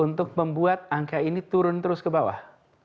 untuk membuat angka ini turun terus ke bawah